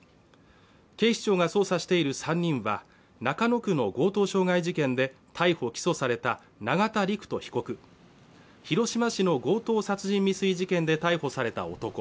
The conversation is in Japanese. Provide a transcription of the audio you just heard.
警視庁が捜査している３人は中野区の強盗傷害事件で逮捕起訴された永田陸人被告広島市の強盗殺人未遂事件で逮捕された男